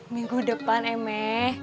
minggu depan me